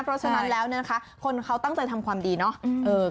เพราะฉะนั้นแล้วเนี่ยนะคะคนเขาตั้งใจทำความดีเนาะ